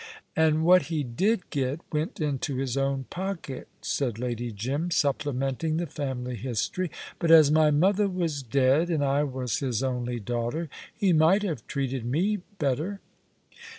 "And what he did get went into his own pocket," said Lady Jim, supplementing the family history; "but as my mother was dead, and I was his only daughter, he might have treated me better."